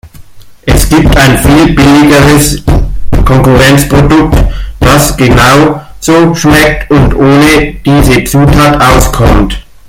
Es gibt ein viel billigeres Konkurrenzprodukt, das genauso schmeckt und ohne diese Zutat auskommt.